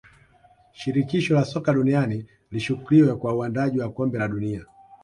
shirikisho la soka duniani lishukriwe kwa uandaaji wa kombe la dunia